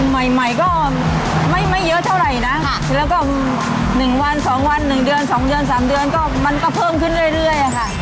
ใหม่ก็ไม่เยอะเท่าไหร่นะแล้วก็๑วัน๒วัน๑เดือน๒เดือน๓เดือนก็มันก็เพิ่มขึ้นเรื่อยค่ะ